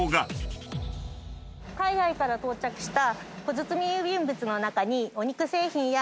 海外から到着した。